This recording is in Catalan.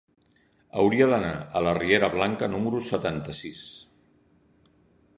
Hauria d'anar a la riera Blanca número setanta-sis.